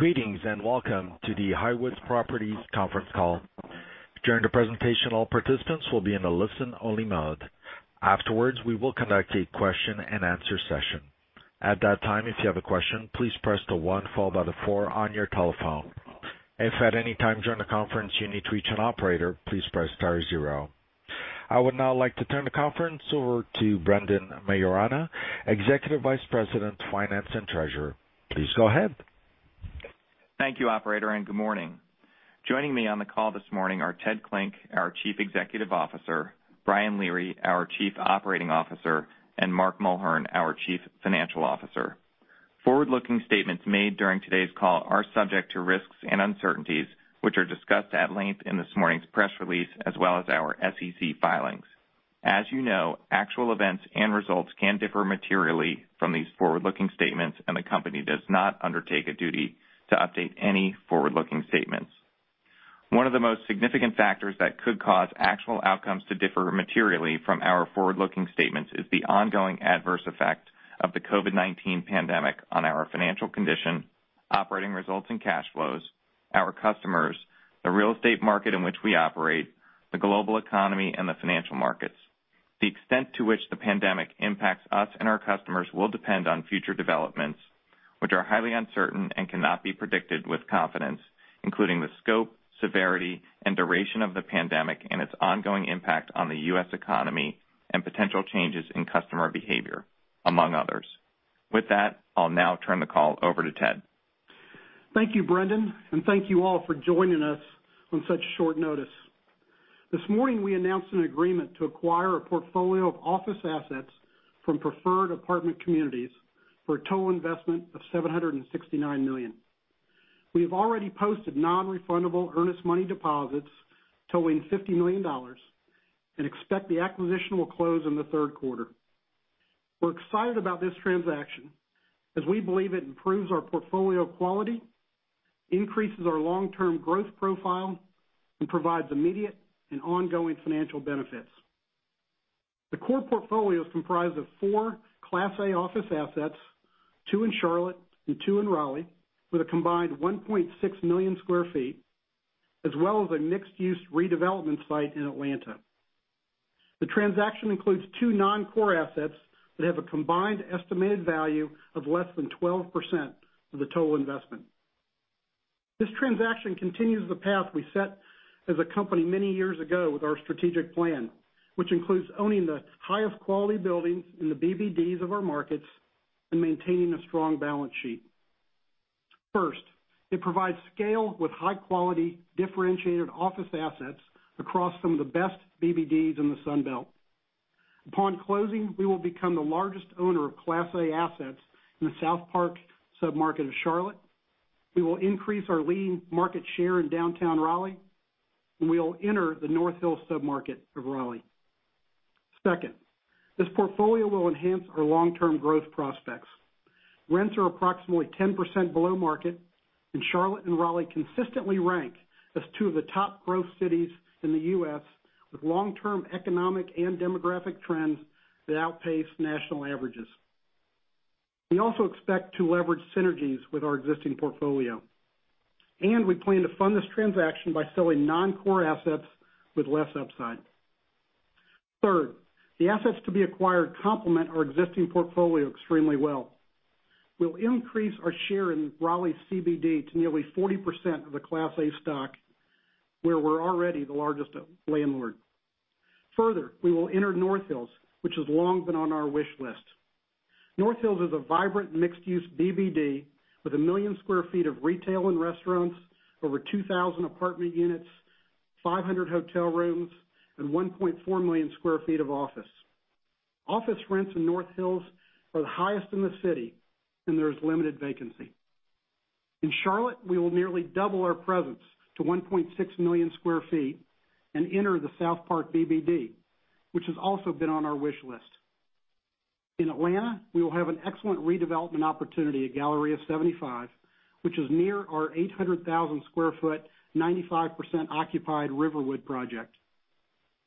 Greetings, and welcome to the Highwoods Properties conference call. I would now like to turn the conference over to Brendan Maiorana, Executive Vice President, Finance and Treasurer. Please go ahead. Thank you operator, and good morning. Joining me on the call this morning are Ted Klinck, our Chief Executive Officer, Brian Leary, our Chief Operating Officer, and Mark Mulhern, our Chief Financial Officer. Forward-looking statements made during today's call are subject to risks and uncertainties, which are discussed at length in this morning's press release, as well as our SEC filings. As you know, actual events and results can differ materially from these forward-looking statements, and the company does not undertake a duty to update any forward-looking statements. One of the most significant factors that could cause actual outcomes to differ materially from our forward-looking statements is the ongoing adverse effect of the COVID-19 pandemic on our financial condition, operating results and cash flows, our customers, the real estate market in which we operate, the global economy, and the financial markets. The extent to which the pandemic impacts us and our customers will depend on future developments, which are highly uncertain and cannot be predicted with confidence, including the scope, severity, and duration of the pandemic and its ongoing impact on the U.S. economy and potential changes in customer behavior, among others. With that, I'll now turn the call over to Ted. Thank you, Brendan, and thank you all for joining us on such short notice. This morning, we announced an agreement to acquire a portfolio of office assets from Preferred Apartment Communities for a total investment of $769 million. We have already posted non-refundable earnest money deposits totaling $50 million and expect the acquisition will close in the third quarter. We're excited about this transaction as we believe it improves our portfolio quality, increases our long-term growth profile, and provides immediate and ongoing financial benefits. The core portfolio is comprised of 4 Class A office assets, two in Charlotte and two in Raleigh, with a combined 1.6 million sq ft, as well as a mixed-use redevelopment site in Atlanta. The transaction includes two non-core assets that have a combined estimated value of less than 12% of the total investment. This transaction continues the path we set as a company many years ago with our strategic plan, which includes owning the highest quality buildings in the BBDs of our markets and maintaining a strong balance sheet. First, it provides scale with high-quality, differentiated office assets across some of the best BBDs in the Sunbelt. Upon closing, we will become the largest owner of Class A assets in the SouthPark sub-market of Charlotte. We will increase our lead market share in downtown Raleigh, and we will enter the North Hills sub-market of Raleigh. Second, this portfolio will enhance our long-term growth prospects. Rents are approximately 10% below market, and Charlotte and Raleigh consistently rank as two of the top growth cities in the U.S., with long-term economic and demographic trends that outpace national averages. We also expect to leverage synergies with our existing portfolio. We plan to fund this transaction by selling non-core assets with less upside. Third, the assets to be acquired complement our existing portfolio extremely well. We'll increase our share in Raleigh's CBD to nearly 40% of the Class A stock, where we're already the largest landlord. We will enter North Hills, which has long been on our wish list. North Hills is a vibrant mixed-use BBD with 1 million sq ft of retail and restaurants, over 2,000 apartment units, 500 hotel rooms, and 1.4 million sq ft of office. Office rents in North Hills are the highest in the city. There is limited vacancy. In Charlotte, we will nearly double our presence to 1.6 million sq ft and enter the SouthPark BBD, which has also been on our wish list. In Atlanta, we will have an excellent redevelopment opportunity at Galleria 75, which is near our 800,000 square foot, 95% occupied Riverwood project.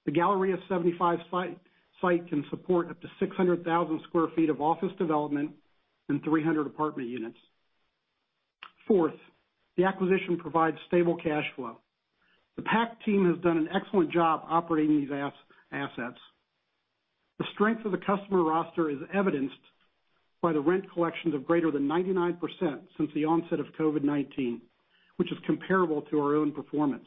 The Galleria 75 site can support up to 600,000 square feet of office development and 300 apartment units. Fourth, the acquisition provides stable cash flow. The PAC team has done an excellent job operating these assets. The strength of the customer roster is evidenced by the rent collections of greater than 99% since the onset of COVID-19, which is comparable to our own performance.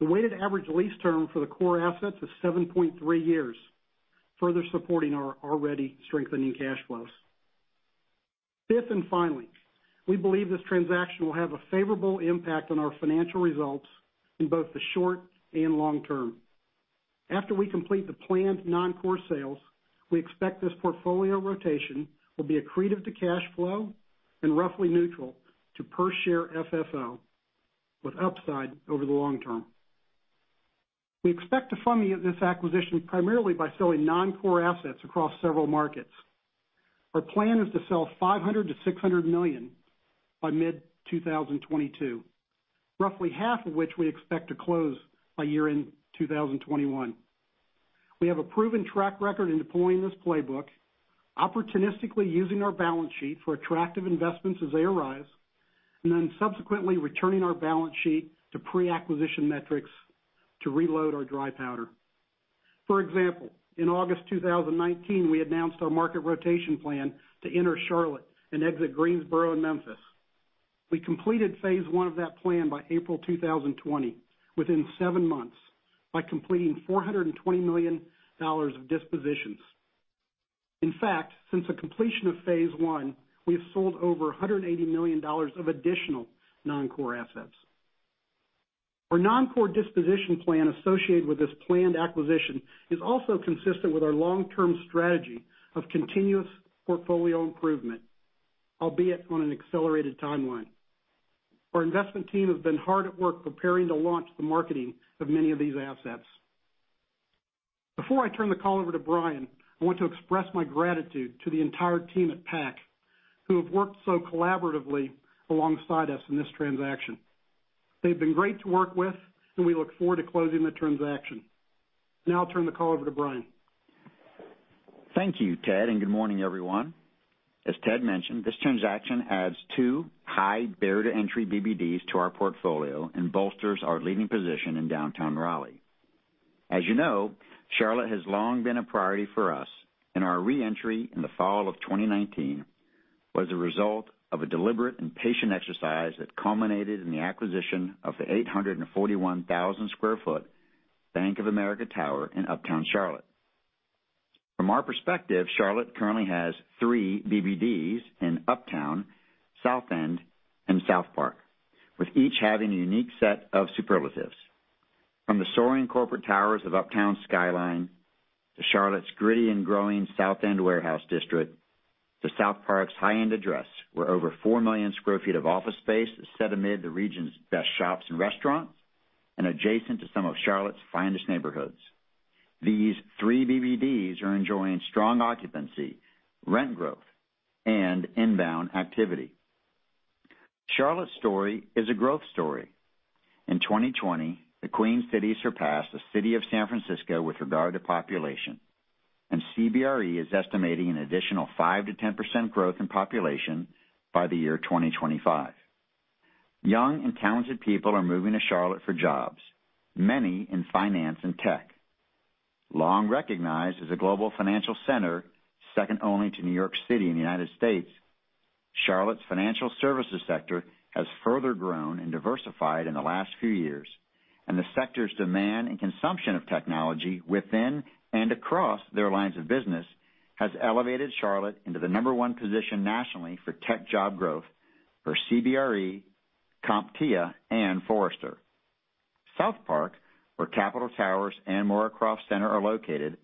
The weighted average lease term for the core assets is 7.3 years, further supporting our already strengthening cash flows. Fifth and finally, we believe this transaction will have a favorable impact on our financial results in both the short and long term. After we complete the planned non-core sales, we expect this portfolio rotation will be accretive to cash flow and roughly neutral to per share FFO with upside over the long term. We expect to fund this acquisition primarily by selling non-core assets across several markets. Our plan is to sell $500 million-$600 million by mid-2022, roughly half of which we expect to close by year-end 2021. We have a proven track record in deploying this playbook, opportunistically using our balance sheet for attractive investments as they arise, and then subsequently returning our balance sheet to pre-acquisition metrics to reload our dry powder. For example, in August 2019, we announced our market rotation plan to enter Charlotte and exit Greensboro and Memphis. We completed phase one of that plan by April 2020 within seven months by completing $420 million of dispositions. In fact, since the completion of phase one, we have sold over $180 million of additional non-core assets. Our non-core disposition plan associated with this planned acquisition is also consistent with our long-term strategy of continuous portfolio improvement, albeit on an accelerated timeline. Our investment team has been hard at work preparing to launch the marketing of many of these assets. Before I turn the call over to Brian, I want to express my gratitude to the entire team at PAC, who have worked so collaboratively alongside us in this transaction. They've been great to work with, and we look forward to closing the transaction. Now I'll turn the call over to Brian. Thank you, Ted, and good morning, everyone. As Ted mentioned, this transaction adds two high barrier-to-entry BBDs to our portfolio and bolsters our leading position in downtown Raleigh. As you know, Charlotte has long been a priority for us, and our re-entry in the fall of 2019 was a result of a deliberate and patient exercise that culminated in the acquisition of the 841,000 square foot Bank of America Tower in Uptown Charlotte. From our perspective, Charlotte currently has three BBDs in Uptown, South End, and SouthPark, with each having a unique set of superlatives. From the soaring corporate towers of Uptown's skyline to Charlotte's gritty and growing South End warehouse district, to SouthPark's high-end address, where over 4 million sq ft of office space is set amid the region's best shops and restaurants and adjacent to some of Charlotte's finest neighborhoods. These 3 BBDs are enjoying strong occupancy, rent growth, and inbound activity. Charlotte's story is a growth story. In 2020, the Queen City surpassed the city of San Francisco with regard to population. CBRE is estimating an additional 5%-10% growth in population by the year 2025. Young and talented people are moving to Charlotte for jobs, many in finance and tech. Long recognized as a global financial center, second only to New York City in the U.S., Charlotte's financial services sector has further grown and diversified in the last few years. The sector's demand and consumption of technology within and across their lines of business has elevated Charlotte into the number one position nationally for tech job growth per CBRE, CompTIA, and Forrester. SouthPark, where Capitol Towers and Morrocroft Centre are located,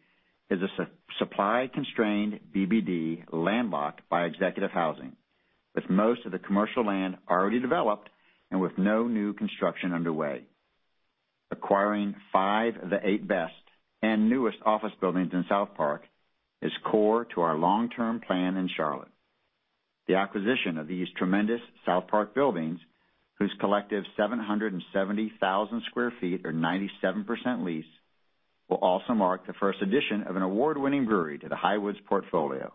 is a supply-constrained CBD landlocked by executive housing, with most of the commercial land already developed and with no new construction underway. Acquiring five of the eight best and newest office buildings in SouthPark is core to our long-term plan in Charlotte. The acquisition of these tremendous SouthPark buildings, whose collective 770,000 sq ft are 97% leased, will also mark the first edition of an award-winning brewery to the Highwoods portfolio.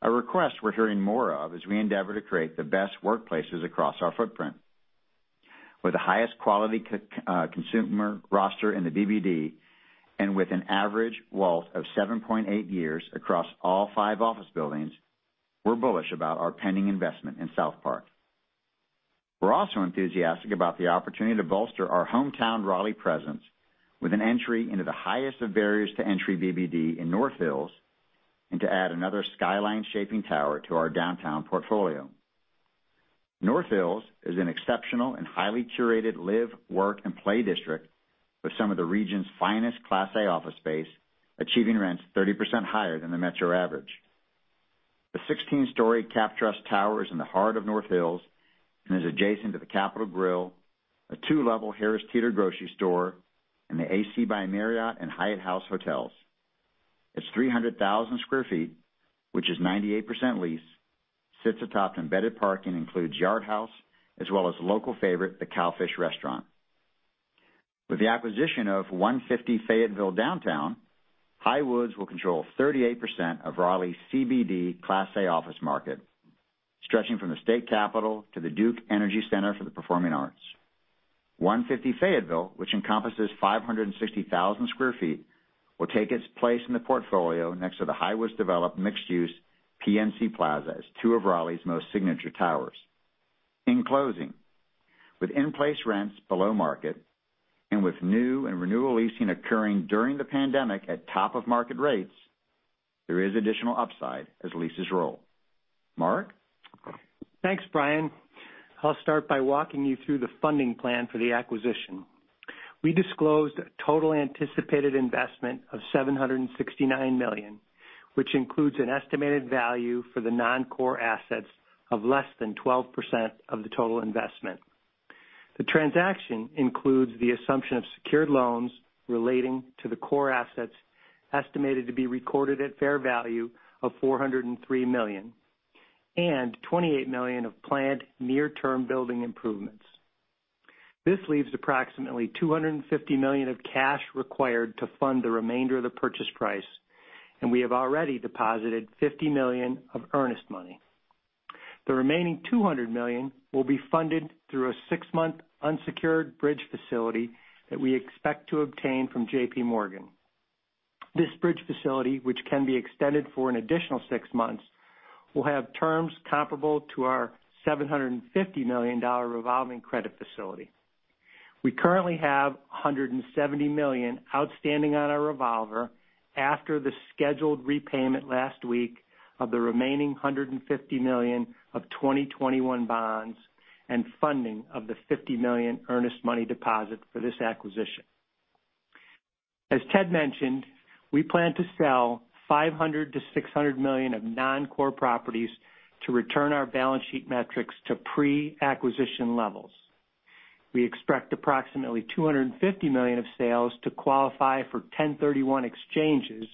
A request we're hearing more of as we endeavor to create the best workplaces across our footprint. With the highest quality customer roster in the CBD and with an average WALT of 7.8 years across all five office buildings, we're bullish about our pending investment in SouthPark. We're also enthusiastic about the opportunity to bolster our hometown Raleigh presence with an entry into the highest of barriers to entry BBD in North Hills and to add another skyline-shaping tower to our downtown portfolio. North Hills is an exceptional and highly curated live, work, and play district with some of the region's finest class A office space, achieving rents 30% higher than the metro average. The 16-story CAPTRUST Tower is in the heart of North Hills and is adjacent to the Capital Grille, a two-level Harris Teeter grocery store, and the AC by Marriott and Hyatt House Hotels. Its 300,000 sq ft, which is 98% leased, sits atop embedded parking, includes Yard House, as well as local favorite, The Cowfish restaurant. With the acquisition of 150 Fayetteville Downtown, Highwoods will control 38% of Raleigh's CBD class A office market, stretching from the state capital to the Duke Energy Center for the Performing Arts. 150 Fayetteville, which encompasses 560,000 sq ft, will take its place in the portfolio next to the Highwoods-developed mixed use PNC Plaza as two of Raleigh's most signature towers. In closing, with in-place rents below market and with new and renewal leasing occurring during the pandemic at top of market rates, there is additional upside as leases roll. Mark? Thanks, Brian. I'll start by walking you through the funding plan for the acquisition. We disclosed a total anticipated investment of $769 million, which includes an estimated value for the non-core assets of less than 12% of the total investment. The transaction includes the assumption of secured loans relating to the core assets, estimated to be recorded at fair value of $403 million and $28 million of planned near-term building improvements. This leaves approximately $250 million of cash required to fund the remainder of the purchase price, and we have already deposited $50 million of earnest money. The remaining $200 million will be funded through a six-month unsecured bridge facility that we expect to obtain from JPMorgan. This bridge facility, which can be extended for an additional six months, will have terms comparable to our $750 million revolving credit facility. We currently have $170 million outstanding on our revolver after the scheduled repayment last week of the remaining $150 million of 2021 bonds and funding of the $50 million earnest money deposit for this acquisition. As Ted mentioned, we plan to sell $500 million-$600 million of non-core properties to return our balance sheet metrics to pre-acquisition levels. We expect approximately $250 million of sales to qualify for 1031 exchanges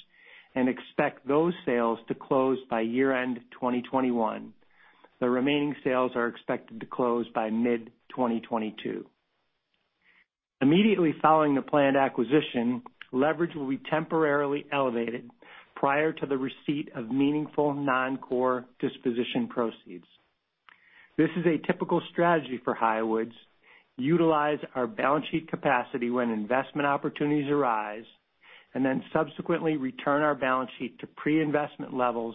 and expect those sales to close by year-end 2021. The remaining sales are expected to close by mid-2022. Immediately following the planned acquisition, leverage will be temporarily elevated prior to the receipt of meaningful non-core disposition proceeds. This is a typical strategy for Highwoods, utilize our balance sheet capacity when investment opportunities arise, and then subsequently return our balance sheet to pre-investment levels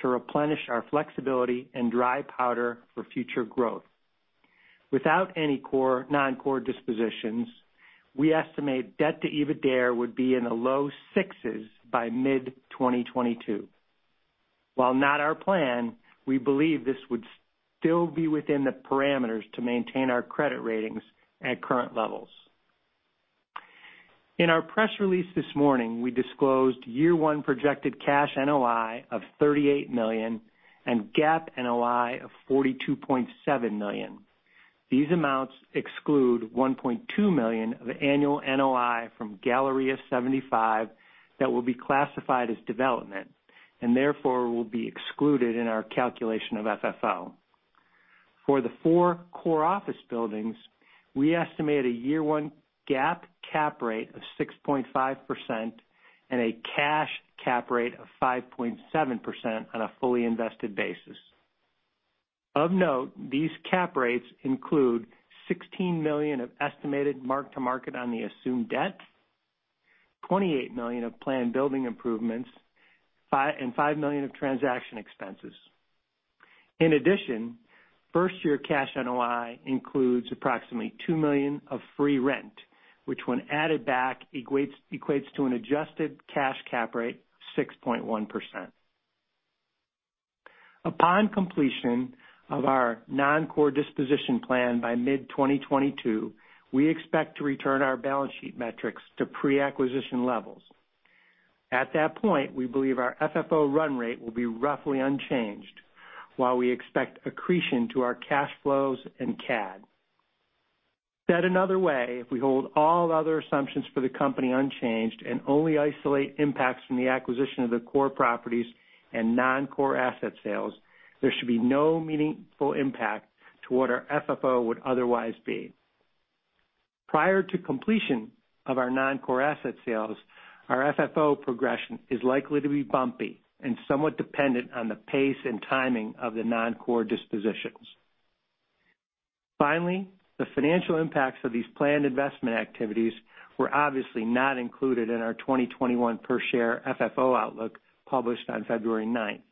to replenish our flexibility and dry powder for future growth. Without any non-core dispositions, we estimate debt to EBITDA would be in the low 6s by mid-2022. While not our plan, we believe this would still be within the parameters to maintain our credit ratings at current levels. In our press release this morning, we disclosed year one projected cash NOI of $38 million and GAAP NOI of $42.7 million. These amounts exclude $1.2 million of annual NOI from Galleria 75 that will be classified as development and therefore will be excluded in our calculation of FFO. For the four core office buildings, we estimate a year one GAAP cap rate of 6.5% and a cash cap rate of 5.7% on a fully invested basis. Of note, these cap rates include $16 million of estimated mark-to-market on the assumed debt, $28 million of planned building improvements, and $5 million of transaction expenses. First-year cash NOI includes approximately $2 million of free rent, which when added back, equates to an adjusted cash cap rate of 6.1%. Upon completion of our non-core disposition plan by mid-2022, we expect to return our balance sheet metrics to pre-acquisition levels. At that point, we believe our FFO run rate will be roughly unchanged while we expect accretion to our cash flows and CAD. Said another way, if we hold all other assumptions for the company unchanged and only isolate impacts from the acquisition of the core properties and non-core asset sales, there should be no meaningful impact to what our FFO would otherwise be. Prior to completion of our non-core asset sales, our FFO progression is likely to be bumpy and somewhat dependent on the pace and timing of the non-core dispositions. Finally, the financial impacts of these planned investment activities were obviously not included in our 2021 per-share FFO outlook published on February 9th.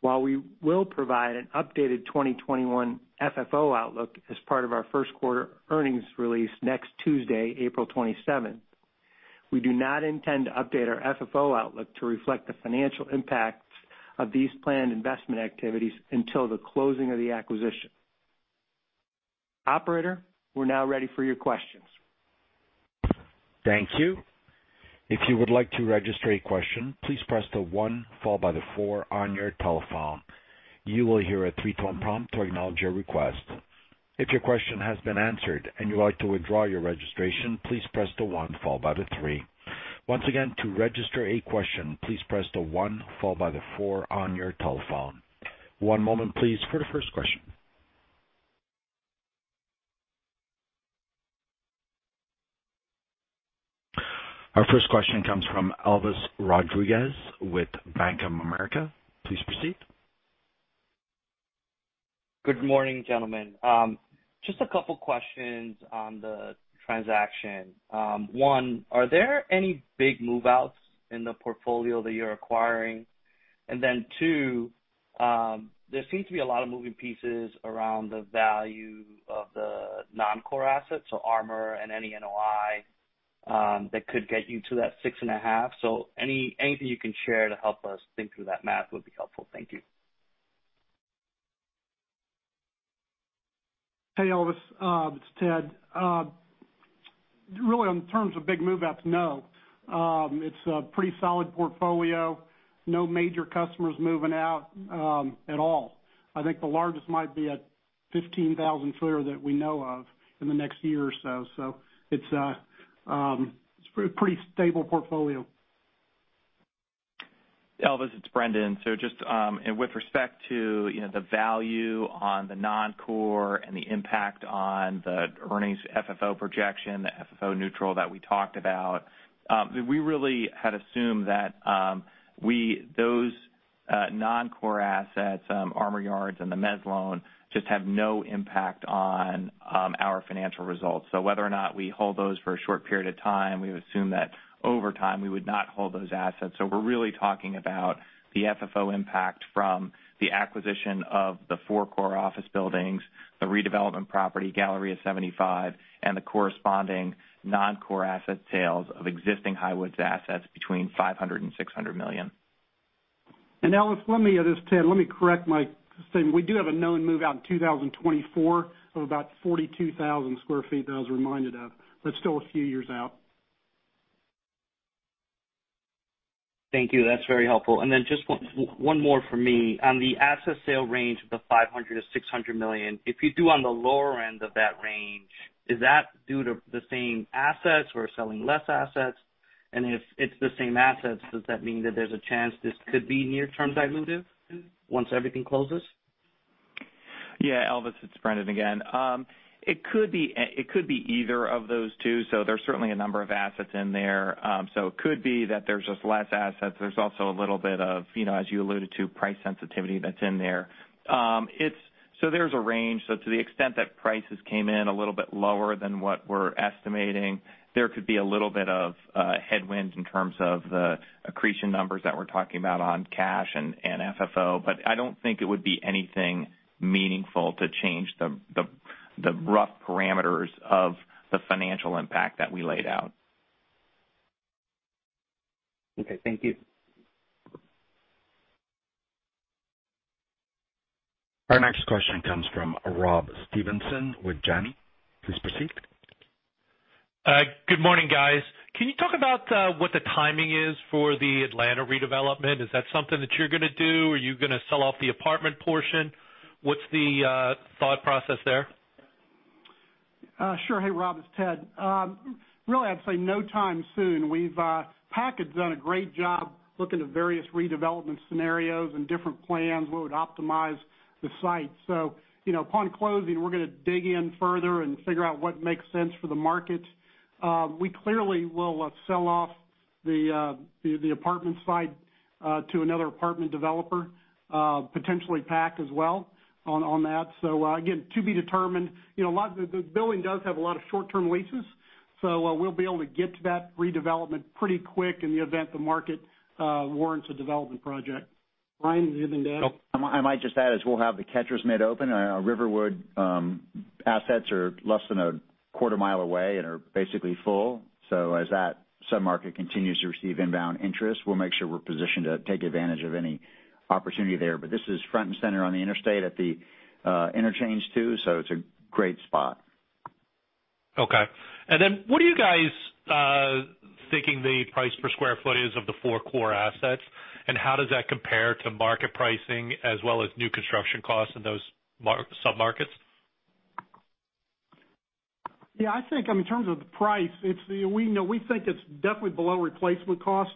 While we will provide an updated 2021 FFO outlook as part of our first quarter earnings release next Tuesday, April 27th, we do not intend to update our FFO outlook to reflect the financial impacts of these planned investment activities until the closing of the acquisition. Operator, we're now ready for your questions. Thank you. Our first question comes from Elvis Rodriguez with Bank of America. Please proceed. Good morning, gentlemen. Just a couple questions on the transaction. One, are there any big move-outs in the portfolio that you're acquiring? Two, there seems to be a lot of moving pieces around the value of the non-core assets, so Armour and any NOI that could get you to that six and a half. Anything you can share to help us think through that math would be helpful. Thank you. Hey, Elvis. It's Ted. Really on terms of big move-outs, no. It's a pretty solid portfolio. No major customers moving out at all. I think the largest might be a 15,000 square that we know of in the next year or so. It's a pretty stable portfolio. Elvis, it's Brendan. Just with respect to the value on the non-core and the impact on the earnings FFO projection, the FFO neutral that we talked about, we really had assumed that those non-core assets, Armour Yards and the mezz loan, just have no impact on our financial results. Whether or not we hold those for a short period of time, we've assumed that over time, we would not hold those assets. We're really talking about the FFO impact from the acquisition of the four-core office buildings, the redevelopment property, Galleria 75, and the corresponding non-core asset sales of existing Highwoods assets between $500 million and $600 million. Elvis, this is Ted. Let me correct my statement. We do have a known move-out in 2024 of about 42,000 square feet that I was reminded of, but still a few years out. Thank you. That's very helpful. Just one more from me. On the asset sale range of the $500 million-$600 million, if you do on the lower end of that range, is that due to the same assets or selling less assets? If it's the same assets, does that mean that there's a chance this could be near-term dilutive once everything closes? Yeah. Elvis, it's Brendan again. It could be either of those two. There's certainly a number of assets in there. It could be that there's just less assets. There's also a little bit of, as you alluded to, price sensitivity that's in there. There's a range. To the extent that prices came in a little bit lower than what we're estimating, there could be a little bit of a headwind in terms of the accretion numbers that we're talking about on cash and FFO. I don't think it would be anything meaningful to change the rough parameters of the financial impact that we laid out. Okay, thank you. Our next question comes from Rob Stevenson with Janney. Please proceed. Good morning, guys. Can you talk about what the timing is for the Atlanta redevelopment? Is that something that you're going to do? Are you going to sell off the apartment portion? What's the thought process there? Sure. Hey, Rob, it's Ted. Really, I'd say no time soon. PAC had done a great job looking at various redevelopment scenarios and different plans, what would optimize the site. Upon closing, we're going to dig in further and figure out what makes sense for the market. We clearly will sell off the apartment side to another apartment developer, potentially PAC as well on that. Again, to be determined. The building does have a lot of short-term leases, so we'll be able to get to that redevelopment pretty quick in the event the market warrants a development project. Brian, anything to add? I might just add, as we'll have the Catcher's Mitt open, our Riverwood assets are less than a quarter-mile away and are basically full. As that sub-market continues to receive inbound interest, we'll make sure we're positioned to take advantage of any opportunity there. This is front and center on the interstate at the interchange too, so it's a great spot. Okay. Then what are you guys thinking the price per square footage of the four core assets and how does that compare to market pricing as well as new construction costs in those sub-markets? Yeah, I think in terms of the price, we think it's definitely below replacement costs,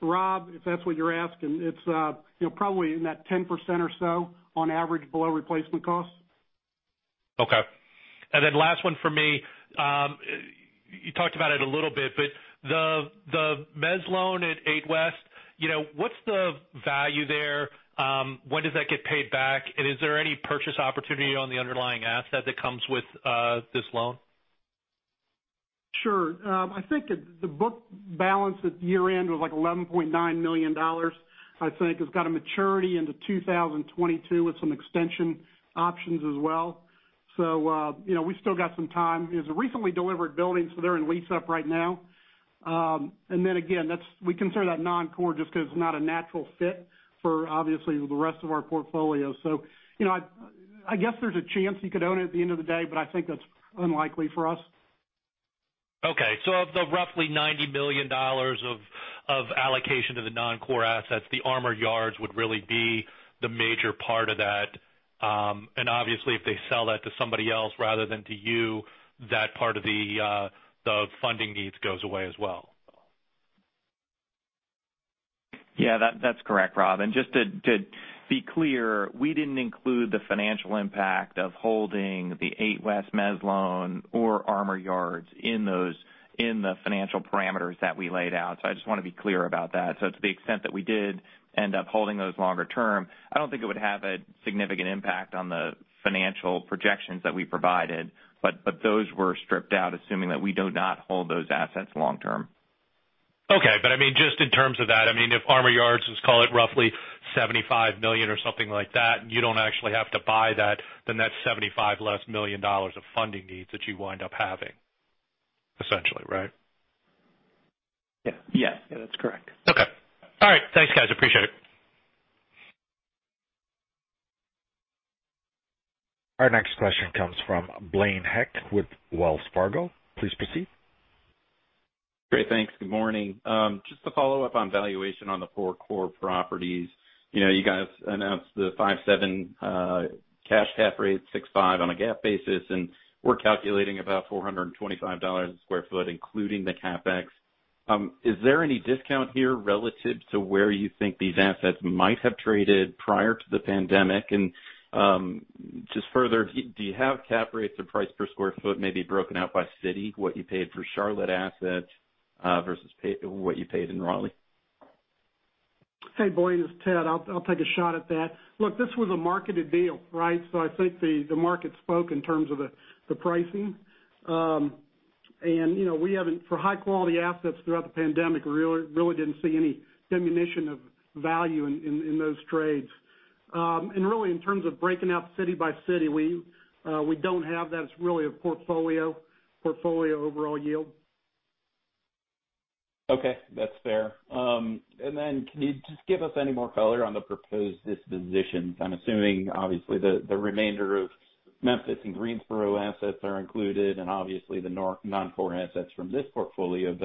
Rob, if that's what you're asking. It's probably in that 10% or so on average below replacement costs. Okay. Last one for me. You talked about it a little bit, but the mezz loan at 8 West, what's the value there? When does that get paid back? Is there any purchase opportunity on the underlying asset that comes with this loan? Sure. I think the book balance at year-end was like $11.9 million. I think it's got a maturity into 2022 with some extension options as well. We still got some time. It was a recently delivered building, so they're in lease up right now. Then again, we consider that non-core just because it's not a natural fit for obviously the rest of our portfolio. I guess there's a chance you could own it at the end of the day, but I think that's unlikely for us. Of the roughly $90 million of allocation to the non-core assets, the Armour Yards would really be the major part of that. Obviously if they sell that to somebody else rather than to you, that part of the funding needs goes away as well. Yeah. That's correct, Rob. Just to be clear, we didn't include the financial impact of holding the 8 West mezz loan or Armour Yards in the financial parameters that we laid out. I just want to be clear about that. To the extent that we did end up holding those longer term, I don't think it would have a significant impact on the financial projections that we provided. Those were stripped out, assuming that we do not hold those assets long term. Okay. Just in terms of that, if Armour Yards is, call it, roughly $75 million or something like that, and you don't actually have to buy that, then that's $75 million less dollars of funding needs that you wind up having, essentially, right? Yeah. Yes. That's correct. Okay. All right. Thanks, guys. Appreciate it. Our next question comes from Blaine Heck with Wells Fargo. Please proceed. Great. Thanks. Good morning. Just to follow up on valuation on the four core properties. You guys announced the 5.7 cash cap rate, 6.5 on a GAAP basis. We're calculating about $425 a square foot, including the CapEx. Is there any discount here relative to where you think these assets might have traded prior to the pandemic and Just further, do you have cap rates or price per square foot maybe broken out by city, what you paid for Charlotte assets, versus what you paid in Raleigh? Hey, Blaine, it's Ted. I'll take a shot at that. Look, this was a marketed deal, right? I think the market spoke in terms of the pricing. For high-quality assets throughout the pandemic, we really didn't see any diminution of value in those trades. Really, in terms of breaking out city by city, we don't have that. It's really a portfolio overall yield. Okay. That's fair. Then can you just give us any more color on the proposed dispositions? I'm assuming, obviously, the remainder of Memphis and Greensboro assets are included, and obviously the non-core assets from this portfolio.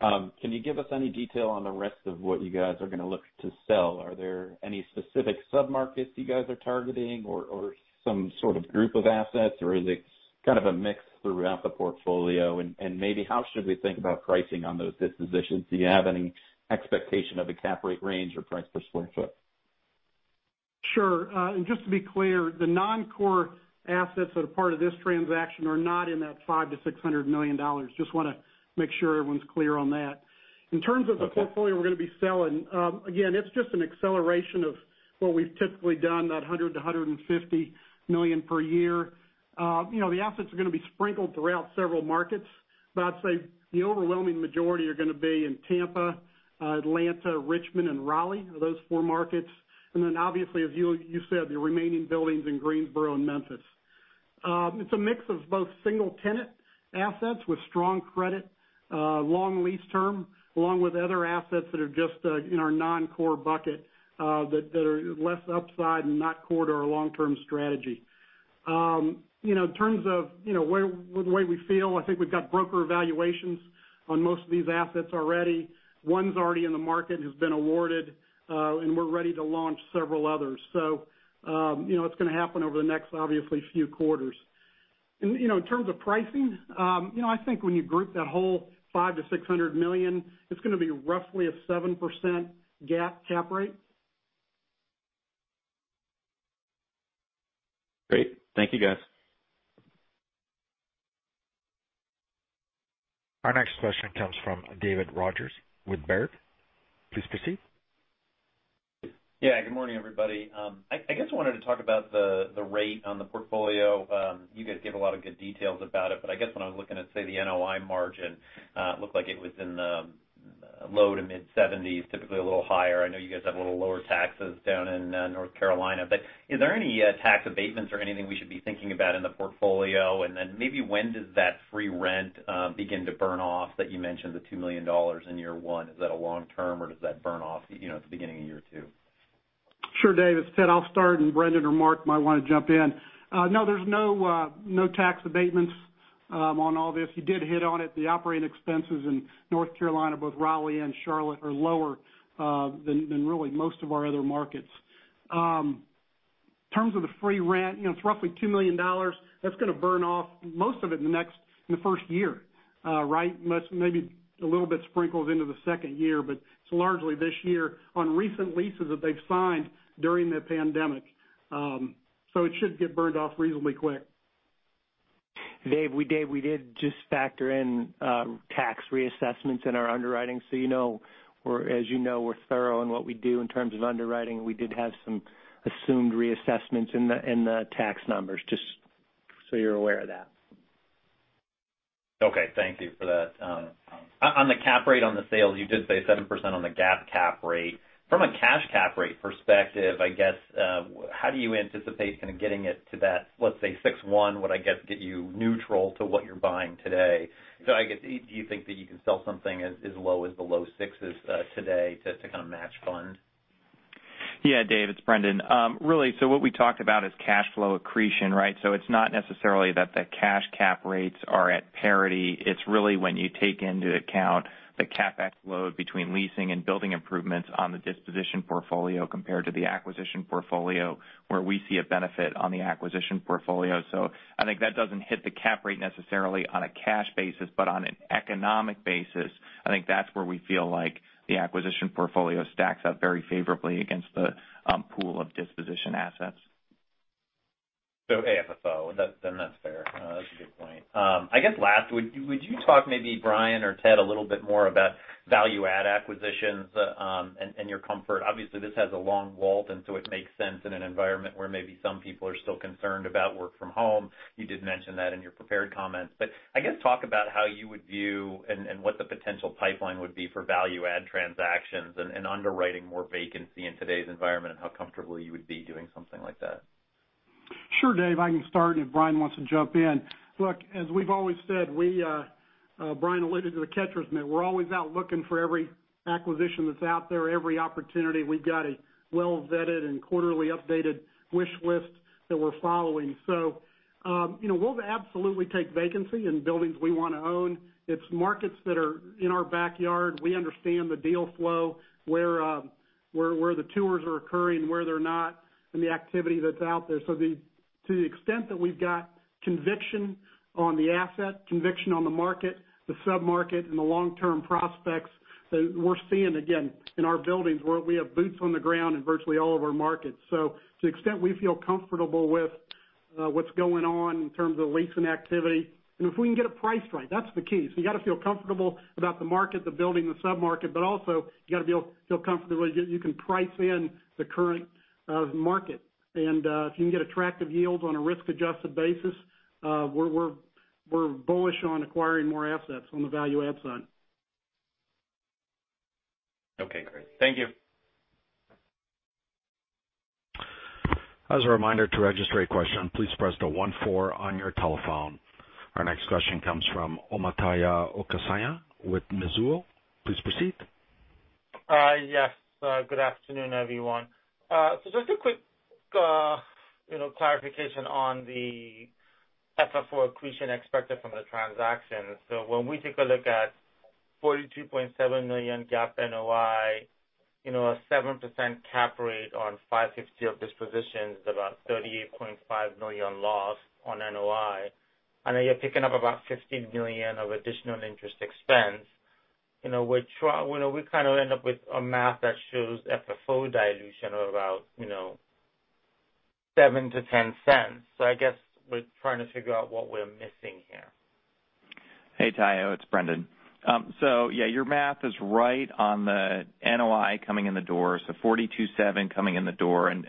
Can you give us any detail on the rest of what you guys are going to look to sell? Are there any specific sub-markets you guys are targeting or some sort of group of assets, or is it kind of a mix throughout the portfolio? Maybe how should we think about pricing on those dispositions? Do you have any expectation of a cap rate range or price per square foot? Sure. Just to be clear, the non-core assets that are part of this transaction are not in that $500 million to $600 million. Just want to make sure everyone's clear on that. Okay. In terms of the portfolio we're going to be selling, again, it's just an acceleration of what we've typically done, that $100 million-$150 million per year. The assets are going to be sprinkled throughout several markets, but I'd say the overwhelming majority are going to be in Tampa, Atlanta, Richmond, and Raleigh, are those four markets. Then, obviously, as you said, the remaining buildings in Greensboro and Memphis. It's a mix of both single-tenant assets with strong credit, long lease term, along with other assets that are just in our non-core bucket, that are less upside and not core to our long-term strategy. In terms of the way we feel, I think we've got broker evaluations on most of these assets already. One's already in the market and has been awarded, and we're ready to launch several others. It's going to happen over the next, obviously, few quarters. In terms of pricing, I think when you group that whole $500 million-$600 million, it's going to be roughly a 7% GAAP cap rate. Great. Thank you, guys. Our next question comes from David Rodgers with Baird. Please proceed. Good morning, everybody. I guess I wanted to talk about the rate on the portfolio. You guys gave a lot of good details about it, I guess when I was looking at, say, the NOI margin, it looked like it was in the low to mid-70s, typically a little higher. I know you guys have a little lower taxes down in North Carolina, is there any tax abatements or anything we should be thinking about in the portfolio? Maybe when does that free rent begin to burn off that you mentioned, the $2 million in year 1? Is that a long-term, does that burn off at the beginning of year 2? Sure, David. Ted, I'll start, and Brendan or Mark might want to jump in. There's no tax abatements on all this. You did hit on it. The operating expenses in North Carolina, both Raleigh and Charlotte, are lower than really most of our other markets. In terms of the free rent, it's roughly $2 million. That's going to burn off most of it in the first year. Right. Maybe a little bit sprinkled into the second year, but it's largely this year on recent leases that they've signed during the pandemic. It should get burned off reasonably quick. Dave, we did just factor in tax reassessments in our underwriting. As you know, we're thorough in what we do in terms of underwriting, and we did have some assumed reassessments in the tax numbers, just so you're aware of that. Okay. Thank you for that. On the cap rate on the sale, you did say 7% on the GAAP cap rate. From a cash cap rate perspective, I guess, how do you anticipate kind of getting it to that, let's say 6.1%, would, I guess, get you neutral to what you're buying today. I guess, do you think that you can sell something as low as the low sixes today to kind of match fund? Yeah, David, it's Brendan. Really, what we talked about is cash flow accretion, right? It's not necessarily that the cash cap rates are at parity. It's really when you take into account the CapEx load between leasing and building improvements on the disposition portfolio compared to the acquisition portfolio, where we see a benefit on the acquisition portfolio. I think that doesn't hit the cap rate necessarily on a cash basis, but on an economic basis, I think that's where we feel like the acquisition portfolio stacks up very favorably against the pool of disposition assets. AFFO, that's fair. That's a good point. I guess last, would you talk maybe Brian or Ted a little bit more about value add acquisitions, and your comfort. Obviously, this has a long WALT, and so it makes sense in an environment where maybe some people are still concerned about work from home. You did mention that in your prepared comments, but I guess talk about how you would view and what the potential pipeline would be for value add transactions and underwriting more vacancy in today's environment, and how comfortable you would be doing something like that. Sure, David. I can start if Brian wants to jump in. Look, as we've always said, Brian alluded to the Catcher's Mitt. We're always out looking for every acquisition that's out there, every opportunity. We've got a well-vetted and quarterly updated wish list that we're following. We'll absolutely take vacancy in buildings we want to own. It's markets that are in our backyard. We understand the deal flow, where the tours are occurring, where they're not, and the activity that's out there. To the extent that we've got conviction on the asset, conviction on the market, the sub-market, and the long-term prospects that we're seeing, again, in our buildings where we have boots on the ground in virtually all of our markets. To the extent we feel comfortable with what's going on in terms of leasing activity, and if we can get it priced right. That's the key. You got to feel comfortable about the market, the building, the sub-market, but also you got to feel comfortable that you can price in the current market. If you can get attractive yields on a risk-adjusted basis, we're bullish on acquiring more assets on the value-add side. Okay, great. Thank you. Our next question comes from Omotayo Okusanya with Mizuho. Please proceed. Yes. Good afternoon, everyone. Just a quick clarification on the FFO accretion expected from the transaction. When we take a look at $42.7 million GAAP NOI, a 7% cap rate on 560 of dispositions is about $38.5 million loss on NOI, and then you're picking up about $15 million of additional interest expense. We kind of end up with a math that shows FFO dilution of about $0.07-$0.10. I guess we're trying to figure out what we're missing here. Hey, Tayo, it's Brendan. Yeah, your math is right on the NOI coming in the door. $42.7 coming in the door and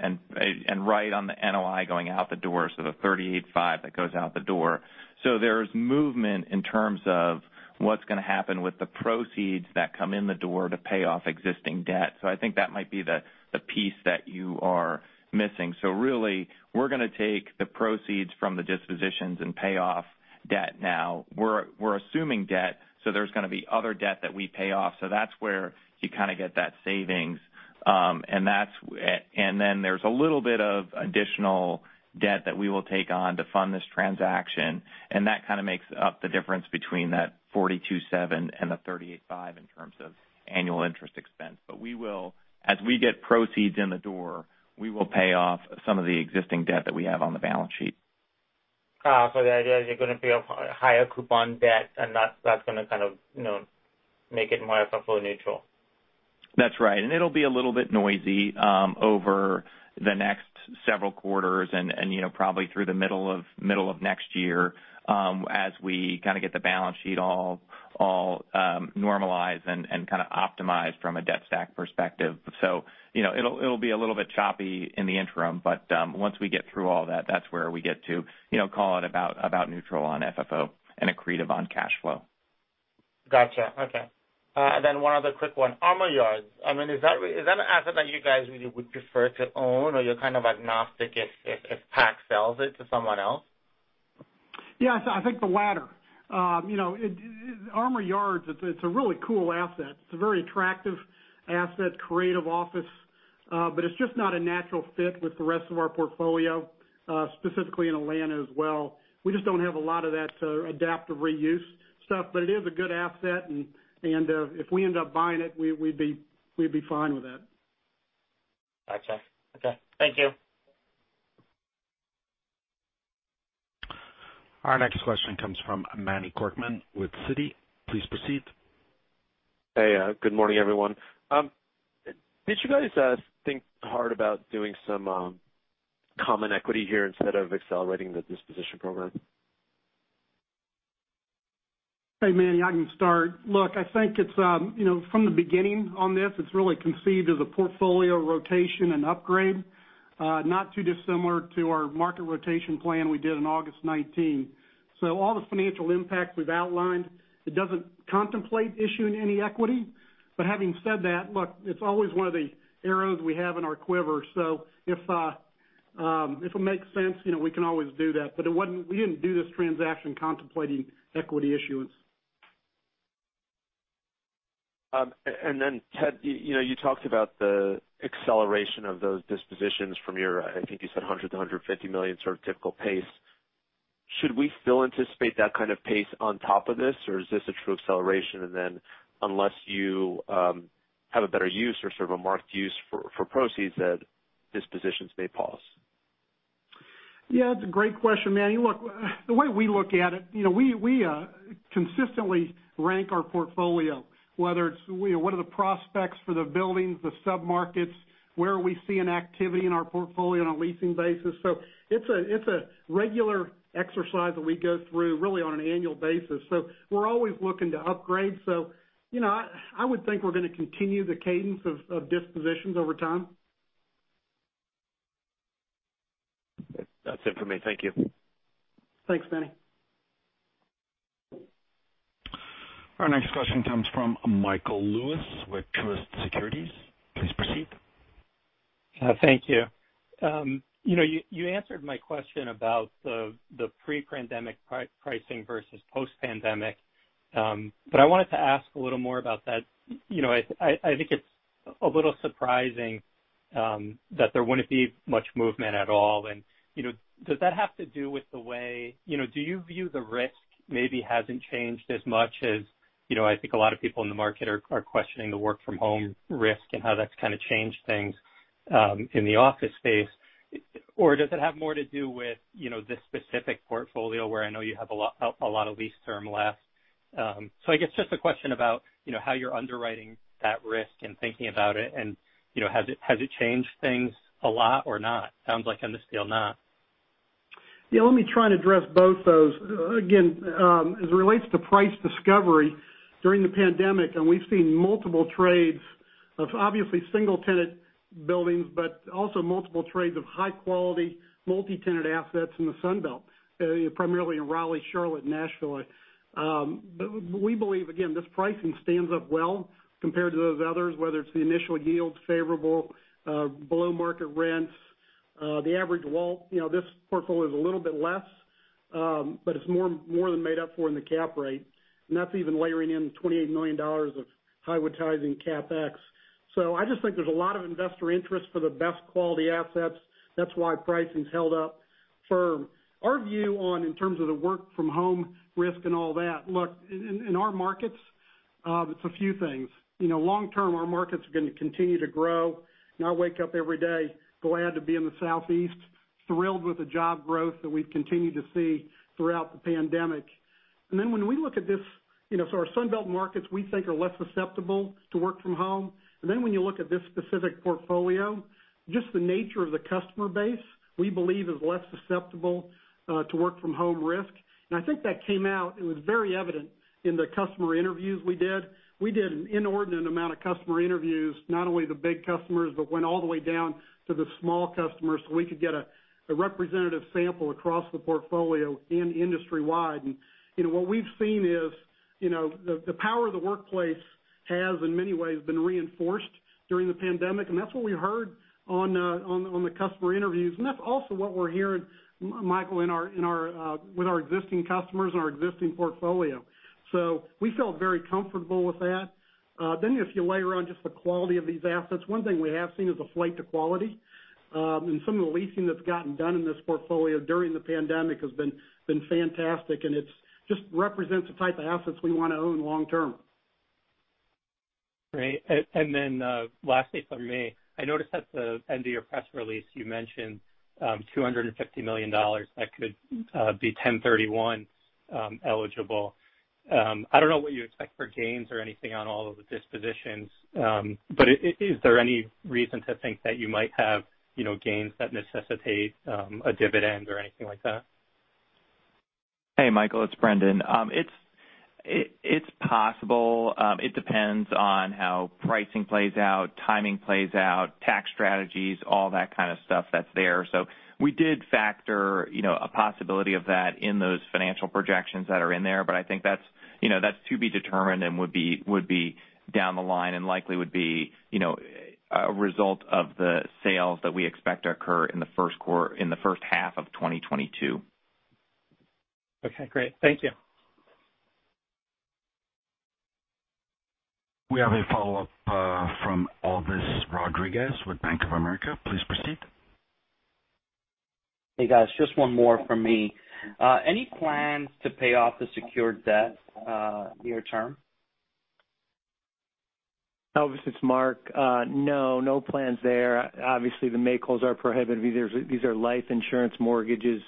right on the NOI going out the door, so the $38.5 that goes out the door. There's movement in terms of what's going to happen with the proceeds that come in the door to pay off existing debt. I think that might be the piece that you are missing. Really, we're going to take the proceeds from the dispositions and pay off debt now. We're assuming debt, so there's going to be other debt that we pay off. That's where you kind of get that savings. There's a little bit of additional debt that we will take on to fund this transaction, and that kind of makes up the difference between that $42.7 and the $38.5 in terms of annual interest expense. As we get proceeds in the door, we will pay off some of the existing debt that we have on the balance sheet. The idea is you're going to pay off higher coupon debt, and that's going to kind of make it more FFO neutral? That's right. It'll be a little bit noisy over the next several quarters and probably through the middle of next year as we kind of get the balance sheet all normalized and kind of optimized from a debt stack perspective. It'll be a little bit choppy in the interim, but once we get through all that's where we get to call it about neutral on FFO and accretive on cash flow. Got you. Okay. One other quick one. Armour Yards. Is that an asset that you guys really would prefer to own or you're kind of agnostic if PAC sells it to someone else? Yeah. I think the latter. Armour Yards, it's a really cool asset. It's a very attractive asset, creative office. It's just not a natural fit with the rest of our portfolio, specifically in Atlanta as well. We just don't have a lot of that adaptive reuse stuff. It is a good asset, and if we end up buying it, we'd be fine with that. Got you. Okay. Thank you. Our next question comes from Manny Korchman with Citi. Please proceed. Hey. Good morning, everyone. Did you guys think hard about doing some common equity here instead of accelerating the disposition program? Hey, Manny. I can start. Look, I think from the beginning on this, it's really conceived as a portfolio rotation and upgrade, not too dissimilar to our market rotation plan we did in August 2019. All the financial impacts we've outlined, it doesn't contemplate issuing any equity. Having said that, look, it's always one of the arrows we have in our quiver. If it makes sense, we can always do that. We didn't do this transaction contemplating equity issuance. Ted, you talked about the acceleration of those dispositions from your, I think you said $100 million-$150 million sort of typical pace. Should we still anticipate that kind of pace on top of this, or is this a true acceleration, and then unless you have a better use or sort of a marked use for proceeds, that dispositions may pause? Yeah, it's a great question, Manny. Look, the way we look at it, we consistently rank our portfolio, whether it's what are the prospects for the buildings, the sub-markets, where are we seeing activity in our portfolio on a leasing basis. It's a regular exercise that we go through really on an annual basis. I would think we're going to continue the cadence of dispositions over time. That's it for me. Thank you. Thanks, Manny. Our next question comes from Michael Lewis with Truist Securities. Please proceed. Thank you. You answered my question about the pre-pandemic pricing versus post-pandemic. I wanted to ask a little more about that. I think it's a little surprising that there wouldn't be much movement at all. Do you view the risk maybe hasn't changed as much as I think a lot of people in the market are questioning the work from home risk and how that's kind of changed things in the office space? Does it have more to do with this specific portfolio where I know you have a lot of lease term left? I guess just a question about how you're underwriting that risk and thinking about it and has it changed things a lot or not? Sounds like, understand not. Yeah, let me try and address both those. Again, as it relates to price discovery during the pandemic, we've seen multiple trades of obviously single-tenant buildings, but also multiple trades of high-quality multi-tenant assets in the Sun Belt, primarily in Raleigh, Charlotte, and Nashville. We believe, again, this pricing stands up well compared to those others, whether it's the initial yield's favorable below-market rents. This portfolio is a little bit less, but it's more than made up for in the cap rate, and that's even layering in the $28 million of Highwoodsizing CapEx. I just think there's a lot of investor interest for the best quality assets. That's why pricing's held up firm. Our view on, in terms of the work from home risk and all that, look, in our markets, it's a few things. I wake up every day glad to be in the Southeast, thrilled with the job growth that we've continued to see throughout the pandemic. When we look at this, our Sun Belt markets we think are less susceptible to work from home. When you look at this specific portfolio, just the nature of the customer base, we believe is less susceptible to work from home risk. I think that came out, it was very evident in the customer interviews we did. We did an inordinate amount of customer interviews, not only the big customers, but went all the way down to the small customers so we could get a representative sample across the portfolio and industry-wide. What we've seen is the power of the workplace has in many ways been reinforced during the pandemic, and that's what we heard on the customer interviews, and that's also what we're hearing, Michael, with our existing customers and our existing portfolio. We felt very comfortable with that. If you layer on just the quality of these assets, one thing we have seen is a flight to quality. Some of the leasing that's gotten done in this portfolio during the pandemic has been fantastic, and it just represents the type of assets we want to own long-term. Great. Lastly from me, I noticed at the end of your press release, you mentioned $250 million that could be 1031 eligible. I don't know what you expect for gains or anything on all of the dispositions, is there any reason to think that you might have gains that necessitate a dividend or anything like that? Hey, Michael, it's Brendan. It's possible. It depends on how pricing plays out, timing plays out, tax strategies, all that kind of stuff that's there. We did factor a possibility of that in those financial projections that are in there. I think that's to be determined and would be down the line and likely would be a result of the sales that we expect to occur in the first half of 2022. Okay, great. Thank you. We have a follow-up from Elvis Rodriguez with Bank of America. Please proceed. Hey, guys. Just one more from me. Any plans to pay off the secured debt near-term? Elvis, it's Mark. No. No plans there. The make-wholes are prohibitive. These are life insurance mortgages,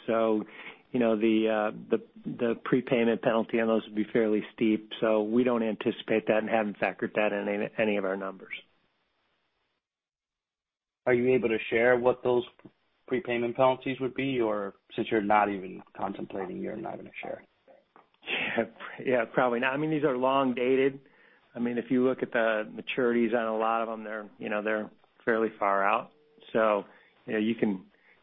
the prepayment penalty on those would be fairly steep. We don't anticipate that and haven't factored that in any of our numbers. Are you able to share what those prepayment penalties would be? Or since you're not even contemplating, you're not going to share? Yeah, probably not. These are long dated. If you look at the maturities on a lot of them, they're fairly far out.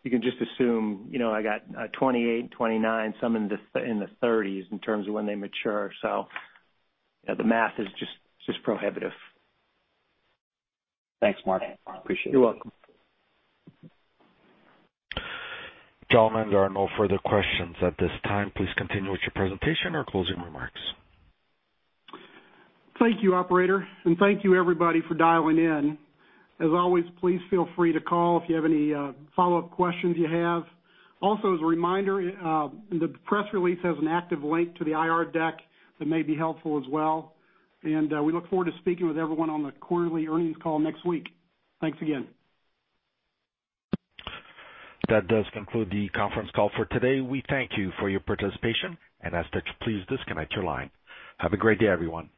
You can just assume I got 2028, 2029, some in the 2030s in terms of when they mature. The math is just prohibitive. Thanks, Mark. Appreciate it. You're welcome. Gentlemen, there are no further questions at this time. Please continue with your presentation or closing remarks. Thank you, operator, and thank you everybody for dialing in. As always, please feel free to call if you have any follow-up questions you have. As a reminder, the press release has an active link to the IR deck that may be helpful as well, and we look forward to speaking with everyone on the quarterly earnings call next week. Thanks again. That does conclude the conference call for today. We thank you for your participation and ask that you please disconnect your line. Have a great day, everyone.